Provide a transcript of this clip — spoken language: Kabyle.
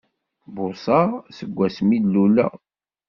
Buṣaɣ seg wasmi i d-luleɣ!